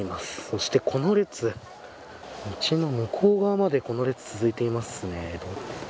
そして、この列道の向こう側までこの列、続いていますね。